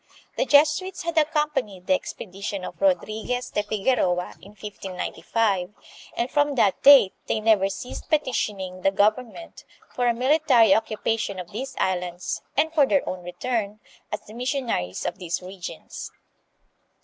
The Jesuits had accompanied the expedition of Rodriguez de Figueroa in 1595, and from that date they never ceased petitioning the government for a military occupation of these islands and for their own return, as the missionaries of these regions.